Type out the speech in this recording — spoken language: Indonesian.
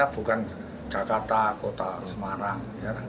bukan jakarta kota semarang